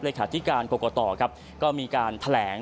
เลขาธิการโกกต่อครับก็มีการแถลง